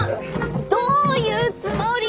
どういうつもりなの！？